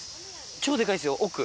超でかいっすよ、奥。